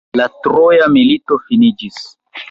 La Troja milito finiĝis.